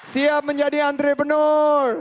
siap menjadi entrepreneur